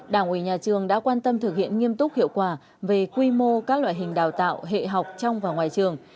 đảng ủy nhà trường đã quan tâm thực hiện nghiêm túc hiệu quả về quy mô các loại hình đào tạo hệ học trong và ngoài trường